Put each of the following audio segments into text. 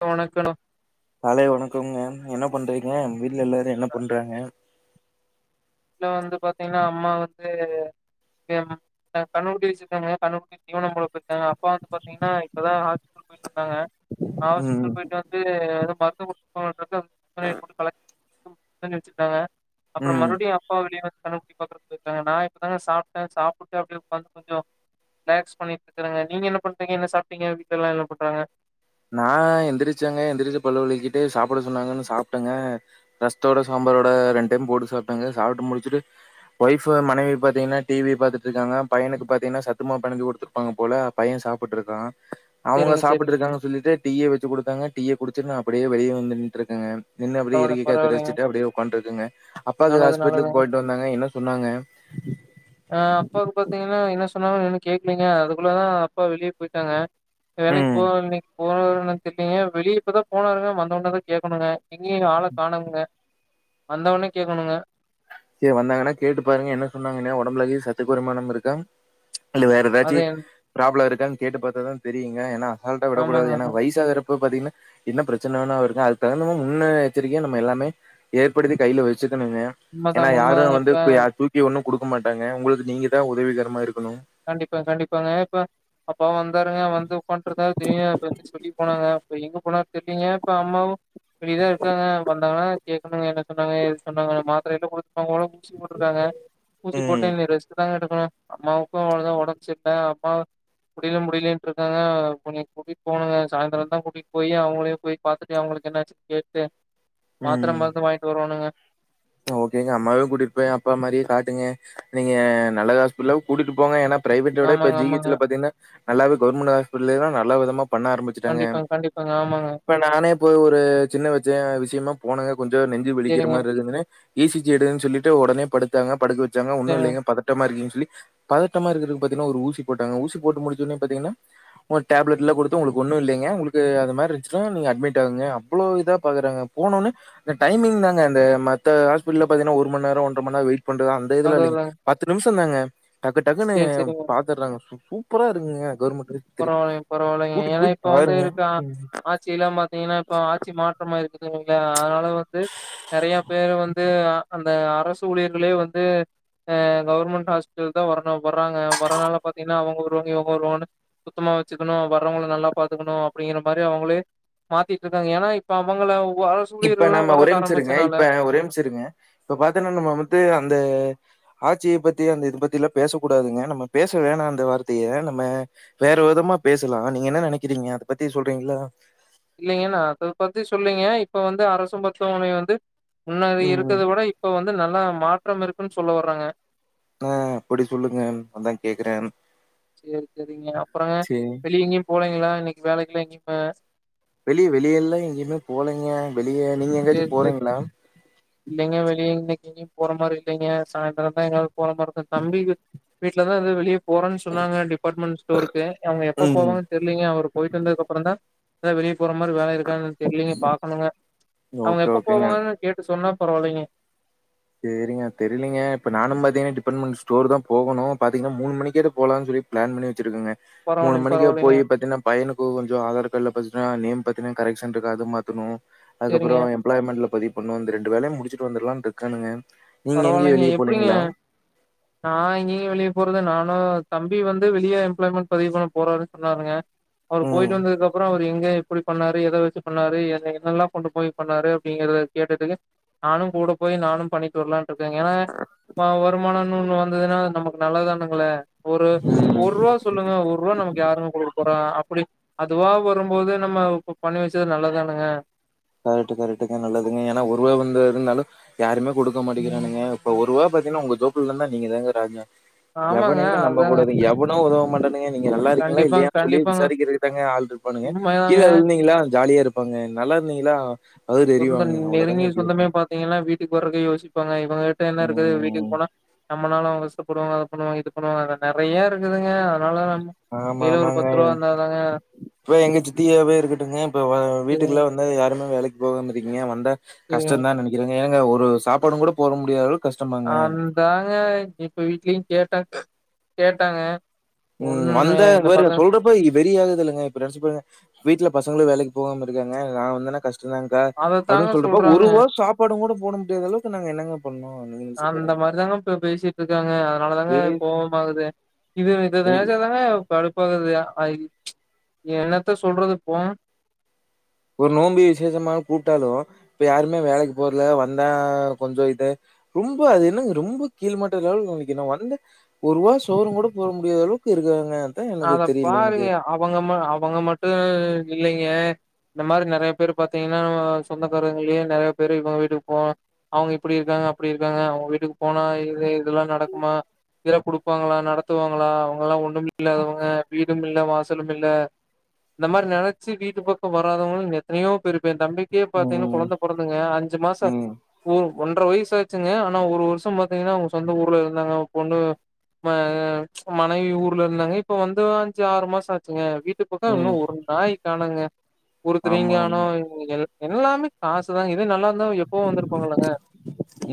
ஆ வணக்கனா காலை வணக்கோங்க என்ன பண்றீங்கீங்க வீட் ட்ல எல்லாரு என்ன பண்றாங்க வீட்ல வந்து பாத்தீங்கன்னா அம்மா வந்து [unintelligible] கண்ணுக்குட்டி வெச்சிருக்காங்க கண்ணுக்குட்டி தீவனம் போட போயிருக்காங்க அப்பா வந்து பாத்தீங்கன்னா இப்பதா ஹாஸ்பிட்டல் போயிட்டு வந்தாங்க ம் ஹாஸ்பிட்டல் போயிட்டு வந்து [unintelligible] [unintelligible] கலைக் ம்நென்ச்சிருப்பாவ அப்புறோ ம் மறுடியு ந்துண்ணப்பி பாற இருக்காங்க நா இப்பதாங்க சாப்ட்டே சாப்பிட்டுப்ப உடாந்து கொஞ்சோ ரிலாக்ஸ் பண்ணிட்டு இருக்கறங்க நீங்க என்ன பண்றீங்க என்ன சாப்ட்டீங்க வீட்டுலல்லா என்ன பண்றாங்க நா எந்திரிச்சாங்க எந்திரிச்ச பல்லு வெளக்கிட்டு சாப்பிட சொன்னாங்கன்னு சாப்பிட்டேங்க ரசத்தோட சாம்பாரோட ரெண் டைம் போட்டு சாப்பிட்டேங்க சாப்பிட்டு முடிச்சுட்டு ஒயஃப் மனைவி பா்த்தீங்கன்னா டிவி பாாரத்துட்டு இருக்காங்க பையனுக்கு பார்த்தீங்கன்னா சத்துமா பெணஞ்சு கொடுத்துருப்பாங்க போல பைய சாப்பிட்டுருக்கா அவங்க செரிங்க செரிங்க சாப்பிட்டுருக்காங்கன்னு சொல்லி டீய வச்சு கொடுத்தாங்க டீய குடிச்ட்டு நா அப்படியே வெளிய வந்து நின்டுட்ருக்கேங்க நின்னு அப்டி பரவால்ல இறக்கை காத்த பரவால்லைங்க ரசிச்சுட்டு அப்டியே உட்காட்ருக்கங்க அப்பாக்கு நல்லது ஹாஸ்பிட்டலுக்கு நல்லதுங்க போயிட்டு வந்தாங்க இன்னு சொன்னாங்க ஆ அப்பாவுக்கு பாத்தீங்கன்னா என்ன சொன்னாங்கனு இன்னு கேக்குலீங்க அதுக்குள்ளதா அப்பா வெளிய போயிட்டாங்க வேலைக்கு ம் போக இன்னைக்கு போன தெர்லீங்க வெளிய இப்பதா போனாருங்க வந்தவோனே தா கேட்கணுங்க இங்கயு ஆள காணங்க வந்தவனே கேட்கணுங்க சரி வந்தாங்கன்னா கேட்டு பாருங்க என்ன சொன்னாங்கனையா உடம்புலகி சத்து குறைமானம் இருக்கா இல்ல வேற ஏதாச்சு அது என் ப்ராப்ளம் இருக் என்னனு கேட்டு பார்த்தாதா தெரியுங்க ஏன்னா அசால்டா விடக்கடாது ஆமாங்க, ஏன்னா ஆமாங்க. வயசாகரு பாத்தீங்கன்னா என்ன பிரச்சன வேணாஇருங்க அது தகுந் முன் எச்சரிக்கையா நம்ம எல்லாமே ஏற்படுத்தி கையில வச்சு க்கனுங்க எனா உண்மதாங்க, யாரும் உண்மதாங்க. வந்து இப்ப தூக்கி ஒண் ன்னு குடுக்க மாட்டாங்க உங்களுக்கு நீங்க தா உதவிகரமா இருக்கு கண்டிப்பா கண்டிப்பாங்க இப்ப அப்பா வந்தாருங்க வந்து உட்கான்றத தெரிய வந்து சொல்லி போனாங்க இப்ப எங்க போனா தெரிலீங்க இப்ப அம்மாவு இப்படிதா இருக்காங்க வந்தாங்கன்னா கேட்கணு என்ன சொன்னாங்க ஏது சொன்னாங்க மாத்திரைட் குடுத் அவங்களு ஊசி போட்டுருந்தாங்க ஊசி ம் போட்ட இனி ரெஸ்ட்தாங்க எடுப் ம் அம்மாவு இப்ப அவளவுதா உடம்புசெர்ல அம்மா முடியில முடியலன்ட்டு இருக்காங்க அ கொஞ்ச கூட்டிட்டு போனுங்க சாய்ந்திரோ தா கூட்டிகிட்டு போய் அவங்களே போய் பார்த்துட்டு அவங்களுக்கு என்னாச்சுன் கேட்டு மாத்ர ம் மருந்து வாங்யிட்டு வருவோனுங்க ஓகேங்க அம்மாவு கூட்டிட்டு போய் அப்பா மாரியே காட்டுங்க நீங்க நல்ல ஹாஸ்பிடல கூட்டிட்டு போங்க ஏன்னா பிரைவேட்டோட இப்ப ஆமாங்க ஜி அச் ஆமாங்க ல பாத்தீங்கன்னா நல்லாவ கவர்மெண்ட் ஹாஸ்பிடலயே தா நல்ல விதமா பண்ண ஆரம்பிச்சட்டாங்க கண்டிப்பாங்க கண்டிப்பாங்க ஆமாங்க இப்போ நானே போய் ஒரு சின்ன வச்ச விஷயமா போனங்க கொஞ்சோ நெஞ்சு வெளிக்கிற சரிங்க மாரி இருக்குதுன்னு இ சி ஜி எடுன்னு சொல்லிட்டு உடனே படுத்தாங்க படுக்க வச் சாங்க ஒன்னு சரிங்க இலைங்க பதட்டமா இருக்கீங் சொல்லி பதட்டமா இருக்கு பாத்தீங்களா ஊசி போட்டாங்க ஊசி போட்ட முடிச்சோன்னே பாத்திங்கன்னா ஒரு டெப்ளேட்ளா குடுத்து உங்ளுக் ஒன்னுலைங்க உங்ளுக் அது மாரி இருந்துச்சுன்னா நீங்க அட்மிட் ஆவுங்க அவ்வளவு இதா பாக்குராங்க போனவுனே டைமிங் தாங்க அந்த ம த்து ஹாஸ்பிட்டல பாத்தங்கன ஒரு மணேரோ ஒன்ற மணநேரோ வெய் யிட் பண்றது அந்த இதுலாஇல்லிங்க அதுதாங்க பத் நிம்ஷ் தாங்க டக்கு டக்குன்னு சரி சரிங்க பாத்துறாங்க சூப்பரா இருக்குங்க கவர்மெண்ட் ஆஸ்பத்திரி. பரவாயில்லைங்க பரவாயில்லைங்க கூட்டிட்டு ஏன்னா போய் இப்ப வந்து பாருங்க. இருக்க ம். ஆட்சி எல்லா பாத்தீங்கன்னா இப்ப ஆட்சி மாற்றமா இருக்குதுங்க ஆ வந்து நெறைய பேரு வந்து அந்த அரசு ஊழியர்களே வந்து அ கவர்மெண்ட் ஹாஸ்பிட்டல் தா வரணும் வர்றாங்க வரனால பாத்தீங்கன்னா அவுங்க வருவங்க இவுங்க வருவான்னு சுத்தமா வச்சுக்கணும் வர்ரவங்கள நல்லா பாத்துக்கணும் அப்டிங்கிற மாதிரி அவங்களே மாத்திட்டு இருக்காங்க ஏன்னா இப்ப அவங்கள இப்ப அரசூழியர்கள்லா நம்ம வர்றக்கு ஒரேமிச்சிருங்க ஆரம்பிச்சனால இப்ப ஒரேமிச்சருங்க இப்ப பாத்திங்கன்னா நம்ம வந்து அந்த ஆட்சிய பத்தி அந்த இது பத்தி எல்லா பேச கூடாதுங்க நம்ம பேச வேணா அந்த வார்த்தையை நம்ம வேற விதமா பேசலா நீங்க என்ன நெனைக்கிறீங்க அத பத்தி சொல்றீங்களா இல்லைங்க நா அத பத்தி சொல்லைங்க இப்ப வந்து அரசு மருத்துவமனை வந்து முன்னாடி ம். இருக்கதை விட இப்ப வந்து நல்லா மா ற்றம் இருக்குன்னு சொல்ல வர்றங்க ஆ அப்படி சொல்லுங்க. அதான் கேக்குறேன். செரி செரிங்க அப்புறங்க சரி. வெளிய எங்கேயும் போலீங்களா இன்னைக்கு வேலைக்குலாம் எங்க [unintelligible] வெளி வெளி எல்லா எங்கயுமே போலங்க வெளிய நீங்க எங்கயாச்சும் போறீங்களா இல்லங்க வெளி இன்னைக்கு எங்கயும் போற மாரி இல்லங்கா சாயந்திரம் தா எங்கயாது போற மாரி தா தம்பிக்கு வீட்ல தா இது வெளிய போறேன்னு சொன்னாங்க டிபார்ட்மெண்ட் ஸ்டோருக்கு அவுங்க எப்ப ம். போவாங்கனு தெரிலிங்க அவரு போயிட்டு வந்ததுக்க அப்றோ தா அத வெளிய போற மாரி வேலை இருக் கானு தெரிலிங்க பாக்கணுங்க அவுங்க ஓகே, எப்ப ஓகேங்க. போவாங்கனு கேட்டு சொன்னா பரவாலிங்க செரிங்க தெரிலிங்க இப்ப நானு பாத்தீங்கன்னா டிபார்ட்மெண்ட் ஸ்டோர் தா போகனும் பாத்தீங்கன்னா மூணு மணிக்காட்டு போலாமுனு சொல்லி பிளான் பன்னி இருக்குங்க மூணு பரவாயில்லைங்க மணிக்கா பரவாயில்லைங்க. போய் பாத்தீங்கன்னா பையனுக்கும் கொஞ்சோ ஆதார் கார்டுல பஸ் அ நேம் பாத்தீங்கன்னா கரெகஷன் இருக்கா அது மாத்தணு அதுக்கப்றோ சரிங்க. எம்ப்ளாய்மெண்ட்ல பதிக் ஒன்னு இந்த ரெண்டு வேலையும் முடிச்சுட்டு வந்துரலாண்டு இருக்கானுங்க பரவால்லிங்க எப்டிங்க நா இனி வெளிய போறது நா ஆ தம்பி வந்து வெளிய எம்ப்ளாயமெண்ட் பதிவு பண்ண போறாருனு சொன்னார்ணுங்க அவர் ம். போயிட்டு வந்ததுக்கு அப்றோ எங்க எப்டி பண்ணாரு எத வச்சு பண்ணாரு எண்ணனெல்லா கொண்டு போய் பண்ணாரு அப்டின்கிறத கேட்டு நானு கூட போய் நானு பணிக் சொர்லாட்டு இருக்கங்க ஏன்னா அவ வருமானும் ஒண்ணு வந்ததுன்னா நமக்கு நல்லது தானங்கள ஒரு ம். ஒருவா சொல்லுங்க ஒருவா நமக்கு யாரும் கொடுக்க போறா அப்டி அதுவா வரும்போது நம்ம இப்ப பண்ணி வச்சது நல்லதுதானுங்க கரெக்ட் கரெக்டுங்க நல்லதுங்க ஏன்னா ஒருவ வந்து இப்ப எதுனாலு யாருமே குடுக்க மாட்டங்கிறானங்க இப்ப ஒருவா பாத்தீன்னா உங்க தோப்புளனா நீங்க தாங்க ராஜா ஆமாங்க. எவனையுமே நம்ப அதுதாங்க. கூடாது எவனோ உதவ இல்லைங்க நீங்க நல்லா இருக்கீங்களா கண்டிப்பாங்க, இல்லியா சொல்லி கண்டிப்பாங்க. விசாரிக்கதுதா ஆள் இருப்பானுங்க உண்மைதாங்க. கீழே விழுந்தீங்களா ஜாலியா இருப்பாங்க நல்லா இதா சொந்த நெருங்கிய சொந்தமே பாத்தீங்கன்னா வீட்டுக்கு வரக்கே யோசி ப்பாங்க இவங்க கிட்ட என்ன இருக்குது வீட்டுக்கு ம். போனா நம்மளாலு அவங்க கஷ்ட போடுவாங்க அதது பண்ணுவாங்க இது பண்ணுவாங்க நெறைய இருக்குதுங்க அதனால நம்ம கைல ஒரு ஆமாமாங்க பத்து ரூபா இருந்தாதாங்க இப்ப எங்க சித்தியாவே இருக்கட்டுங்க இப்ப சரிங்க வீட்டுக்குல்லா வந்தா யாருமே வேலைக்கு போகும்ங்றிங்க வந்தா சரிங்க கஷ்டம் தா நினைக்கிறேங்க ஏங்க ஒரு சாப்பாடு கூட போட முடியாதளவு அந்தாங்க இப்ப வீட்லயு கே டாக் கேட்டாங்க ம் ஒண்ணு வந்த இந்த விருங்க மாரிதா சொல்றப்ப வெறிய ஆகுது இல்லங்க இப்ப நெனச்பார்ங்க வீட்டுல பஸ் மத்தவங்களு வேலைக்கு போகாம இருக்காங்க நா வந்தானா கஷ் சொல்லுங்க அதத்தாங்க அப்டின்னு சொல்றப்ப ஒரு சொல்றாங்க வாய் சாப்பாடு கூட போட முடியாத அளவுக்கு நாங்க என்னங்க பண்ணோ நீங்க நெனச்சு அந்த பாருங்க மாதிரிதாங்க இப்ப பேசிட்டு இருக்காங்க அதனால தாங்க பேசி கோவம் ஆகுது இப் இத இது நெனச்சாதாங்க கடுப்பாகுது அ என்னத்த சொல்றது போங் ஒரு நோம்பி விசேஷமா கூப்ட்டாலு இப்ப யாருமே வேலைக்கு போறல வந்தா கொஞ்சோ இது ரொம்ப அது என்ன ரொம்ப கீழ் மட்ட அளவுக்கு நினைக்கணு வந்தே ஒருவா சோரு கூட போட முடியாத அளவுக்கு இருக்காங்க அதா எனக்கு அத தெரில எனக்கு பாருங்க அவங்க அவங்க மட்டு இல்லைங்க இந்த மாரி நிறைய பேர் பாத்தீங்கன்னா சொந்தக்காரங்கலயே நிறைய பேரு இவங்க வீட்டுக்கு போ அவங்க இப்டி இருக்காங்க அப்படி இருக்காங்க அவங்க வீட்டுக்கு போனா இ இதெல்லா நடக்குமா இதெல்லா கொடுப்பாங்களா நடத்துவாங்களா அவங்கல்லா ஒண்ணும் இல்லாதவங்க வீடும் இல்ல வாச வாசலு இல்ல இந்த மாதிரி நினச்சு வீட்டு பக்கம் வராதவங்க எத்தனையோ பெரு இப்ப என் தம்பி பியே பாதிங்கன்னா ம் கொழந்த பொறந்துங்க அஞ்சு மாசோ ம் ஒ ஒன்றரை வயசு ஆச்சுங்க ஆனா ஒரு வருஷம் பாத்தீங்கன்னா சொந்த ஊர்ல இருந்தாங்க பொண்ணு ம மனைவி ஊ ஊர்ல இருந்தாங்க இப்ப வந்து அஞ்சு ஆறு மாசோ ஆச்சுங்க வீட்டு பக்கோ இன்னு ம் ஒரு நாய் கானோங்க ஆமா ஆமா ஒருத்தீங்காணோ எல்லாமே காசு தாங்க இது நல்லா இருந்தா எப்பவோ வந்திருப்பாங்கல்லங்க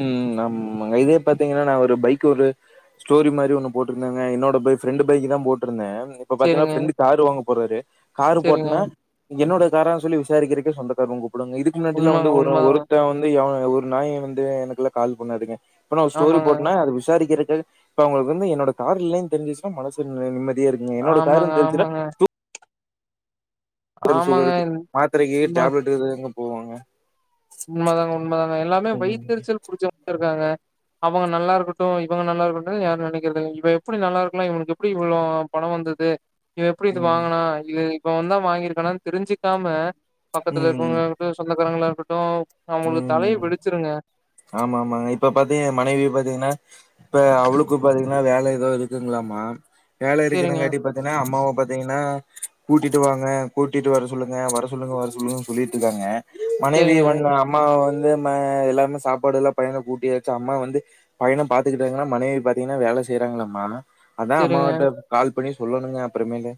உம் நமங்க இதே பாத்தீங்கன்னா நா வந்து [inaudible] பைக் ஒரு ஸ்டோரி மாதிரி ஒண்ணு போட்டிருந்தாங்க என்னோட ப பிரண்டு பைக் தான் போட்டிருந்தேன் இப்ப பாத்தங்கன்னா சேரிங்க பிரெண்ட் கார் வாங்க போறாரு காரு சேரிங்க போட்டனா என்னோட கார் ஆஹ் னு சொல்லி விசாரிக்கக்கக்கு சொந்தக்கார் உங்க கொடுங்க இதுக்கு முன்னாடிலாம் வந்து உண்மங்க உண்மதாங்க ஒரு ஒரு நாய் வந்து எனக்குல்ல கால் பண்ணாடுங்க ஸ்டோரி ஆமாங்க போட்டுனா அது விசாரிக்கிற இப்ப அவங்களுக்கு வந்து என்னோட கார் இல்லன்னு தெரிஞ்சுச்சன்னா மனசுக்கு நிம்மதி தியா இருக்குங்க என்னோட காரு நு ஆமாங்க தெரிஞச்சு ஆமாங்க ஆமாங்க சுகருக்கு மாத்திரைக்கு உண்ம டேப்லெட் போவாங்க உண்மதாங்க உண்மதாங்க எல்லாமே ம். வய்ரிச்சல் புடிச்ச மா இருக்காங்க அவங்க நல்லா இருக்கட்டும் இவங்க நல்லா இருக்கடும் யாரு நினைக்கிறது இவ எப்படி நல்லா இருக்கலாம் இவக்கு எப்படி இவ்வளவு பணம் வந்தது இவ எப்படி இது ம். வாங்கனா இது இப்ப வந்து தான் வாங்கியிருக்கானனு தெரிஞ்சிக்காம பக்கத்துல இருக்கவங்க சொ இருங்களா [unintelligible] த [inaudible] உஹம் ஆமா -ஆமா இப்ப பாத்தீங்க மனைவி பாத்தீங்கன்னா இப்ப அவளுக்கு பாத்தீங்கன்னா வேலை ஏதோ இருக்குங்களாமா வேலை சேரிங்க இருக்கிறங்கட்டி பாத்தீங்கன்னா அம்மாவ பாத்தீங்கன்னா கூட்டிட்டு வாங்க கூட்டிட்டு வர சொல்லுங்க வர சொல்லுங்க வர சொல்லுங்கன்னு சொல்லிட்டு இருக்காங்க மனைவி சேரிங்க ஒன்னு அப்ப வந்து எல்லாமே சாப்பாடு எல்லாம் பையண கூட்டியாச்சு அம்மா வந்து பயண ப பா்த்துக்கிட்டாங்களா மனைவி பார்த்தீங்கன்னா வேலை செய்யறாங்களம்மா ஆனா அதான் அம்மா சேரிங்க வந்து கால் சொல்லணுங்க அப்புறமேலு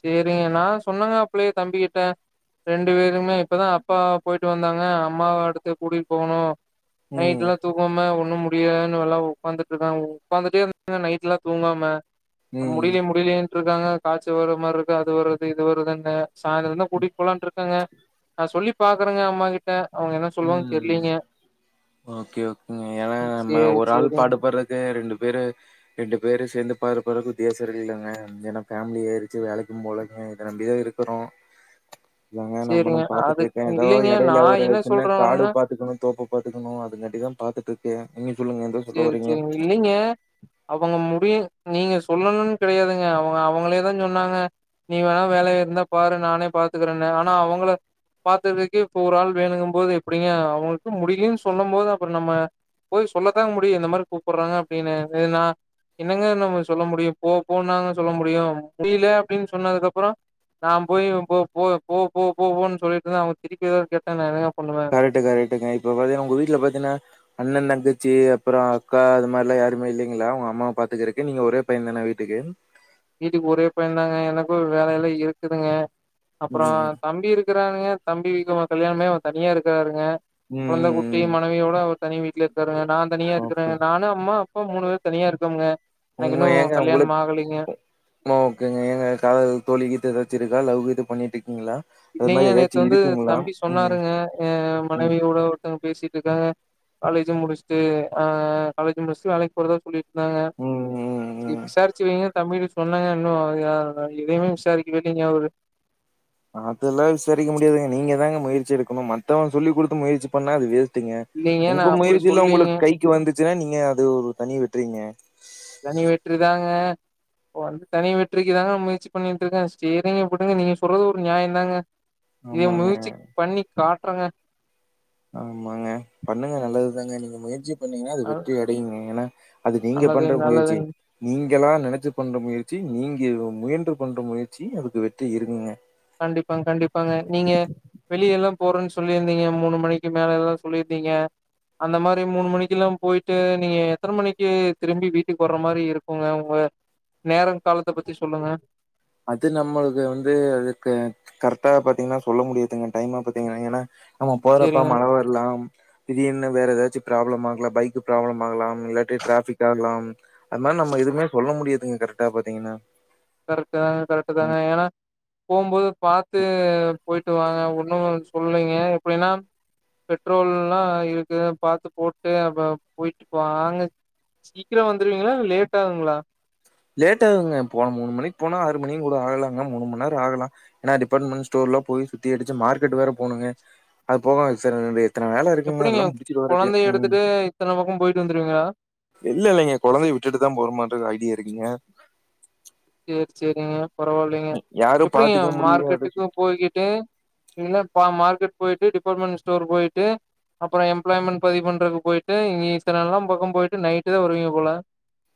சரிங்க நான் சொன்னங்க அப்பள்ளே தம்பிக்கிட்ட ரெண்டு பேருமே இப்பதான் அப்பாவ போயிட்டு வந்தாங்க அம்மாவ அடுத்து கூட்டிகிட்டு போகணு ம் நைட்டுலா தூக்கமே உண்ணோ முடியு எல்லாம் உட்காந்துட்டு இருக்கான் உ்காந்துட்டே இரு நைட் எல்லாம் தூங்காம ம் முடியலேயே முடியலேயேன்றுக்காக ப ஒருர மாதிர இருக்கு அது வருது இதுவரதுதானே சாய்ந்தரம் தான் கூட்டிட்டு போலான்ட்டு இருக்காங்க ஆ சொல்லி பாக்குறேங்க அம்மாகிட்ட உம் ஓகே ஏன்னா நம்ம சேரி ஒரு ஆள் சேரிங்க பாடுபடுறதுக்கு ரெண்டு பே ரெண்டு பேரும் சேர்ந்து பாரு பிறகு உத்தியாசம் இல்லைங்க ஏன்னா ஃபேமிலி ஆயிடுச்சு வேலைக்கும் போலக இதை நம்பிதான் இருக்கிறோம் ங்க சேரிங்க நம்மனும் பாத்துட்டு இருக்கேன் அதுக்கு ஏதாவோ இல்லைங்க இடையில நா ஒரு என்ன சொல்ற காடு வரேன்னா பாத்துக்கணும் தோப்ப பாத்துக்கணும் அது காட்டி தான் பாத்துக்க [unintelligible] செரி செரி இல்லேங்க அவங்க அடிய நீங்க சொல்லணும்னு கிடையாதுங்க அவங்க அவங்களே தான் சொன்னாங்க நீ வேணா வேலைய இருந்தா பாரு நானே பாத்துக்கறேன்ன ஆனா அவங்கள பாாரத்துதுக்குே இப்ப ஒரு ஆள் வேணுங்கும் போது எப்படிங்க அவங்களுக்கு முடியலன்னு சொல்லும் போது அப்புறம் நம்ம போய் சொல்ல [inaudible] ங்க முடியும் இந்தந்த மாரி கூப்பிடடுறாங்க அப்படின்னு நான் என்னங்க நம்ம சொல்ல முடியும் போ போன்னாங்க சொல்ல முடியும் முடியல அப்படின்னு சொன்னதுக்குப்புறம் நான் போய் போ-போ -போ -போ போன்னு சொல்லிட்டு அவங்க திரிக்கத கேட்டேன் கரெட்டு -கரெட்டுக்க இப்ப பாத்தீங்கன்னா உங்க வீட்டுல பாத்தீங்கன்னா அண்ணன் தங்கச்சி அப்புறம் அக்கா அது மாதிரிலாம் யாருமே இல்லைங்களா உங்க அம்மாவ பாத்துக்கறக்கு நீங்க ஒரே பையன் தானே வீட்டுக்கு வீட்டுக்கு ஒரே பையன தாங்க எனக்கும் வேலையெல்லாம் இருக்குதுங்க ம். அப்புறம் தம்பி இருக்க இருங்க தம்பி வீக்கும்ன் கல்யாணமே அவன் தனியா இருக்கிறாருங்க ம். குழந்த குட்டி ம். ம். மனைவியோட அவ தனி விட்டுல இருக்காருங்க நான் தனியா ஓகே. இருக்கிறேன் நானும் அம்மா இப்ப மூணு பேர் தனியா இருக்கங்க எனக்கு இன்னும் கல்யாணமே ஆகுலிங்க மா ஓகங்க எங்க கால தோழி கீத்து ஏதாச்சிருக்கா லவ் கீது பண்ணிட்டு இருக்கீங்களா இல்லலைங்க நேத்து வந்து தம்பி சொன்னாருங்க அஹ ம், மனைவியோட ஒருத்தவங்க பேசிட் இருக்காங்க காலேஜும் முடிச்சுட்டு காலேஜ் முடிச்சுட்டு வேலைக்கு போறத சொல்லிட்டு இருந்தாங்க ம், ம், ம். சார் [unintelligible] வ வைங்க தமி சொன்னாங்க இன்னும் எதூவும் விசாரிக்கவேலைங்கா ஒரு [unintelligible] அதுல்லாம் விசாரிக்க முடியாதுங்க நீங்க தாங்க முயற்சி எடுக்கணும் மத்தவன் சொல்லி கொடுத்து முயற்சி பண்ணா அது வேஸ்ட் இல்லைங்க நா உங்க அப்படி முயற்சில சொல்லீங்க உங்களுக்கு கைக்கு வந்துச்சுன்னா நீங்க அது ஒரு தனி வெட்றீங்க தனி வெற்றி தாங்க வந்து தனி வெற்றிக்கு தாங்க முயற்சி பண்ணிட்டு இருக்கே செரிங்கப்படிங்க நீங்க சொல்றது ஒரு நியாயம் தாங்க இதை ஆமாங்க, மூசிக் பண்ணி கா ஆஹ ஆமாங்க பண்ணுங்க நல்லதுதாங்க நீங்க முயற்சி பன்னீங்களா அது வெற்றி அடையுங்க ஏன்னா அது நீங்க நல்லது பண்ற முயற்சி நீ நல்லதுங்க நீங்கெல்லாம் நினைச்சு பண்ற முயற்சி நீங்க முயன்று பண்ற முயற்சி அதுக்கு வெற்றி இருக்குங்க கண்டிப்பாங்க-கண்டிப்ங்க நீங்க வெளிய எல்லாம் போறேன்னு சொல்லியிருந்தீங்க மூணு மணிக்கு மேல எல்லாம் சொல்லியிருந்தீங்க அந்த மாதிரி மூணு மணிக்கு எல்லாம் போயிட்டு நீங்க எத்தனை மணிக்கு திரும்பி வீட்டுக்கு வர்ற மாதிரி இருக்குங்க உங்க நேரம் காலத்த பத்தி சொல்லுங்க அது நம்மளுக்கு வந்து அது கரெக்டா பாத்தீங்கன்னா சொல்ல முடியாதுங்க டைமா பாத்தீங்கன்னா ஏன்னா நம்ம போறப்பா சேரிங்க மழை வரலாம் திடீன்னு வேற ஏதாச்சும் ப்ராப்ளம் ஆகல பைக் ப்ராப்ளம் ஆகலாம் இல்ல ஆட்டி டிராபிக் ஆகலாம் அதுதிரி நம்மதுவுமே சொல்ல முடியது [unintelligible] ங்க கரெக்டா பாத்தீங்கன்னா கரெக்ட் தாங்க கரெக்ட் தாங்க ஏன்னா போகும்போது பாரத்துு போயிட்டு வாாங்க ஒண்ணும் சொல்லீங்க எப்டின்னா பெட்ரோல் எல்லாம் இருக்கு பாரத்து போட்டு அப்ப போயிட்டுா அங்க சீக்கிரம் வந்துருவீங்களா லேட் ஆகுங்களா லேட் ஆகுங்க போன மூணுணி போன ஆறு மணி கூட ஆகலாங்க மூணு மணி நேம் ஆகலாம் ஏன்னா டிபார்ட்மெண்ட் ஸ்டோர் எல்ல போய சுத்தி அடிச்சு மார்க்கட் வே போுங்க அது போக [unintelligible] இருக்குங்க எப்படிங்க அதெல்லாம் முடிச்சுட்டு வரக்கு குழந்தைய ம் எடுத்துட்டு இத்தனை பக்கம் போயிட்டு வந்துருவீங்களா இல்ல இல்லைங்க குழந்தைய விட்டுட்டுதான் போறமது ஐடியா இருக்குீங்க செரி செரிங்க பரவாயில்லைங்க யாரும் எப்டிங்க பாத்துக்க முடியாத மார்க்கெட்டுக்கு போயிட்டு இ மார்க்கெட் போயிட்டு டிபார்ட்மெண்ட் ஸ்டோர் போயிட்டு அப்புறம் எம்ப்ளாய்மெண்ட் பதி பண்றக்கு போயிட்டு இங்கே சில ந எல்லாம் பக்கம் போயிட்டு நைட்டு தான் வருவீங்க போல [unintelligible]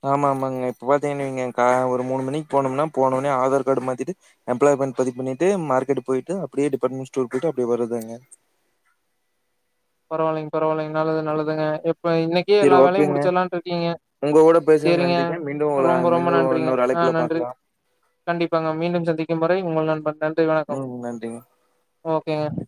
ஆமா ஆமாங்க இப்ப பாத்தீங்கன்ன நீங்க ஒரு மூணு மணிக்கு போனோம்னா போனோனே ஆதார் கார்டு மாத்திட்டு எம்பப்ளாய்மெண்ட் பதிவு பண்ணிட்டு மார்க்கெட் போயிட்டு அப்படியே டிபார்ட்மெண்ட் ஸ்டோர் போயிட்டு அப்பே வருதுாங்க [unintelligible] பரவில்ங்க பரவாயில்ங்க [inaudible] நல்லது நல்லதுங்க எப்ப இன்னைக்கே சரி எல்லா வேலையும் ஓகேங்க முடிச்சிடலான்ட்டு இருக்கீங்க உங்க கூட பேசுன சரிங்க நன்றிங்க மீண்டும் ஒரு ரொம்ப ரொம்ப மீண்டும் நன்றிங்க இன்னொரு ஆஹ் அழைப்புல நன்றி பாக்கலாம் கண்டிப்பாங்க மீண்டும் சந்திக்கும் வரை உங்க நண்பன் நன்றி வணக்கம் ம் நன்றிங்க ஓகேங்க